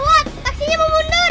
gawat taksinya mau mundur